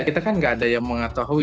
kita kan nggak ada yang mengetahui